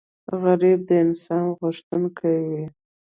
غریب د انصاف غوښتونکی وي